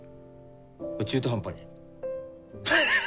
中途半端に。